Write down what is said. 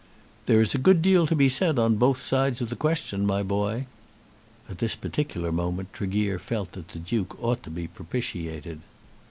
"There is a good deal to be said on both sides of the question, my boy." At this particular moment Tregear felt that the Duke ought to be propitiated.